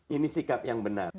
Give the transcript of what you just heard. ini sikap yang benar